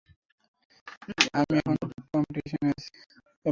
আমি এখন কম্পিটিশনে আছি।